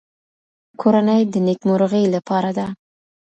کورنۍ د نیکمرغۍ لپاره ده.